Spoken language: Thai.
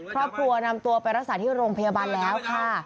ครอบครัวนำตัวไปรักษาที่โรงพยาบาลแล้วค่ะ